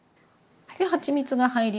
はちみつが入りました。